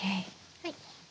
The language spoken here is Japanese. はい。